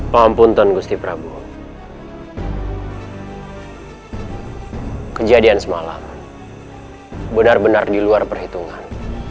pampun gusti prabowo kejadian semalam benar benar di luar perhitungan